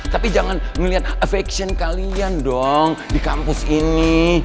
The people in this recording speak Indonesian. tapi jangan melihat affection kalian dong di kampus ini